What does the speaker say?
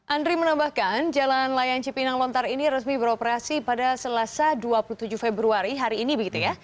andri menambahkan jalan layang cipinang lontar ini resmi beroperasi pada selasa dua puluh tujuh februari hari ini begitu ya